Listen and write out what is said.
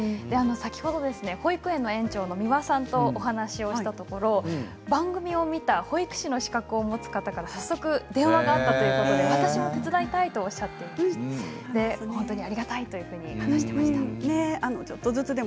先ほど保育園の園長の三輪さんとお話をしたところ番組を見た保育士の資格を持つ方から早速、電話があったということで私も手伝いたいとおっしゃっていたということです。